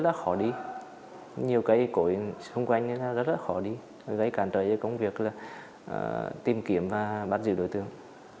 là khó đi nhiều cây cổ xung quanh rất khó đi gây cản trở về công việc là tìm kiếm và bắt giữ đối tượng